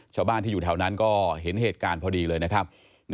ชาวบ้านที่อยู่แถวนั้นก็เห็นเหตุการณ์พอดีเลยนะครับ